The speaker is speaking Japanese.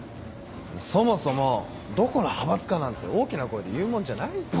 そもそもどこの派閥かなんて大きな声で言うもんじゃないって。